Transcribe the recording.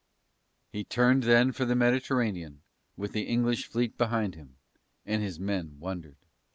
He turned then for the Mediterranean with the English fleet behind him, and his men wondered.